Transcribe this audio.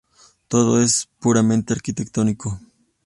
Todo es puramente arquitectónico.